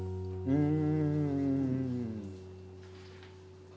うん。